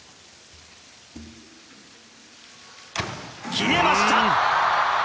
決めました！